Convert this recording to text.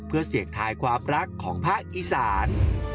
เพื่อเสี่ยงทายความรักของภาคอีสาน